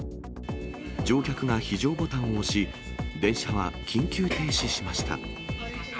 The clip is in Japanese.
乗客が非常ボタンを押し、電車は緊急停止しました。